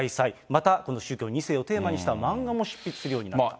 また、この宗教２世をテーマにした漫画も執筆するようになった。